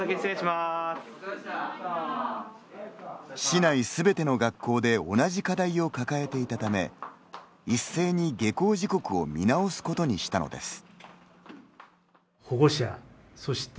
市内すべての学校で同じ課題を抱えていたため一斉に下校時刻を見直すことにしたのです。